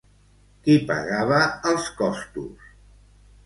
Qui pagava els costos?